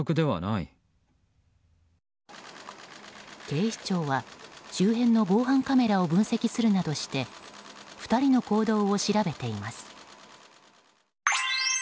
警視庁は周辺の防犯カメラを分析するなどして２人の行動を調べています。